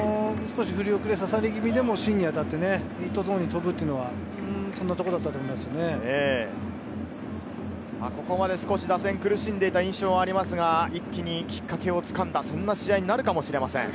振り遅れ、刺され気味でも芯に当たってヒットゾーンに届くというここまで少し打線に苦しんでいた印象がありますが、一気にきっかけをつかんだ、そんな試合になるかもしれません。